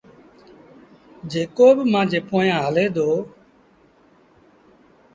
جيڪو با مآݩجي پويآنٚ هلي دو